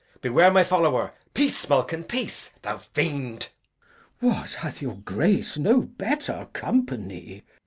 Beware my follower. Peace, Smulkin! peace, thou fiend! Glou. What, hath your Grace no better company?